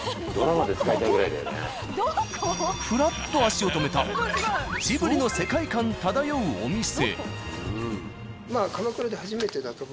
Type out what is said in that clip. ふらっと足を止めたジブリの世界観漂うお店。